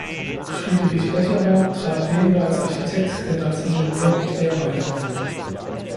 Friedrich Becherer trat weniger als Architekt denn als Ingenieur und Lehrer hervor.